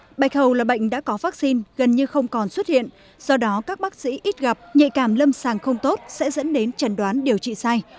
bệnh bạch hầu là bệnh đã có vaccine gần như không còn xuất hiện do đó các bác sĩ ít gặp nhạy cảm lâm sàng không tốt sẽ dẫn đến chẩn đoán điều trị sai